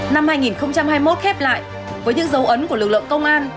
năm hai nghìn hai mươi một khép lại với những dấu ấn của lực lượng công an